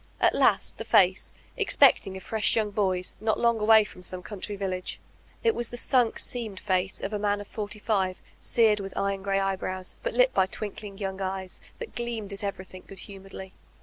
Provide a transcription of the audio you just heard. At last, the face, expecting a fresh young boy's, not long away from some country village. It was the sunk, seamed face of a man of forty five, seared, and with iron gray eyebrows, but lit by twinkling young eyes, that gleamed at everything good humoredly.